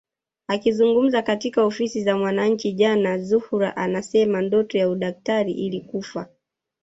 Akizungumza katika ofisi za Mwananchi jana Zuhura anasema ndoto ya udaktari ilikufa